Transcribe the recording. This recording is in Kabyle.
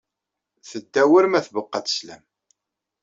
Tedda war ma tbeqqa-d sslam.